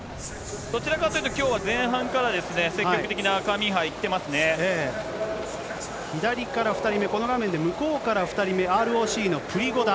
どちらかというと、きょうは前半からですね、積極的にカミン左から２人目、この画面で向こうから２人目、ＲＯＣのプリゴダ。